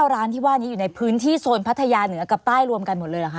ร้านที่ว่านี้อยู่ในพื้นที่โซนพัทยาเหนือกับใต้รวมกันหมดเลยเหรอค